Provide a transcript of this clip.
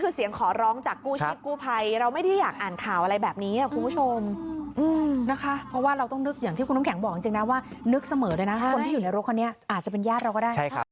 คือต้องบอกว่าหลีกทางให้สักนิดเถอะค่ะ